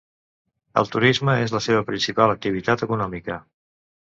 El turisme és la seva principal activitat econòmica.